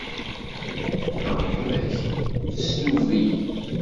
Rrehba-k tesdub-iyi.